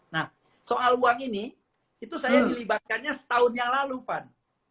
nah soal uang ini itu saya dilibatkannya setahun yang lalu van